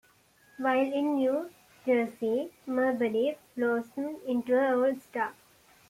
While in New Jersey, Marbury blossomed into an All-Star.